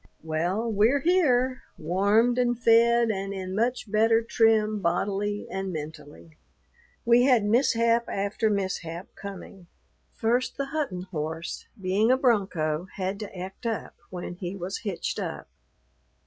Well, we're here, warmed and fed and in much better trim bodily and mentally. We had mishap after mishap coming. First the Hutton horse, being a bronco, had to act up when he was hitched up.